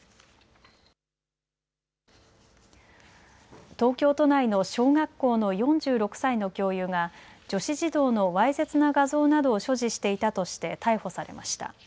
東京都内の小学校の４６歳の教諭が女子児童のわいせつな画像などを所持していたとして逮捕されました。